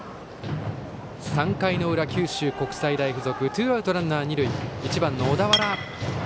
３回の裏、九州国際大付属ツーアウトランナー、二塁で１番の小田原。